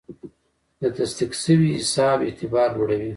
د تصدیق شوي حساب اعتبار لوړ وي.